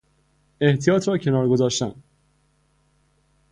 احتیاط را کنار گذاشتن